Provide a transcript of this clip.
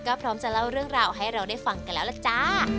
ก็พร้อมจะเล่าเรื่องราวให้เราได้ฟังกันแล้วล่ะจ้า